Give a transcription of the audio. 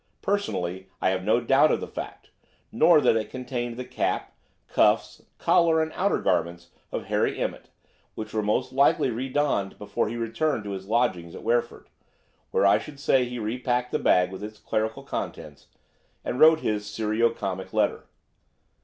Personally I have no doubt of the fact, nor that it contained the cap, cuffs, collar, and outer garments of Harry Emmett, which were most likely redonned before he returned to his lodgings at Wreford, where I should say he repacked the bag with its clerical contents, and wrote his serio comic letter.